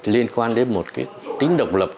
liên quan đến một cái tính độc lập